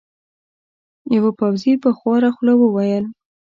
یوه پوځي په خواره خوله وویل.